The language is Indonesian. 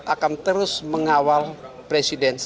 akan terus mengawal presiden